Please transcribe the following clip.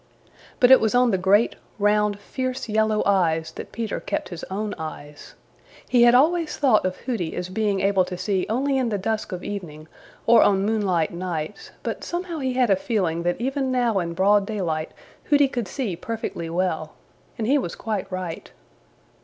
But it was on the great, round, fierce, yellow eyes that Peter kept his own eyes. He had always thought of Hooty as being able to see only in the dusk of evening or on moonlight nights, but somehow he had a feeling that even now in broad daylight Hooty could see perfectly well, and he was quite right.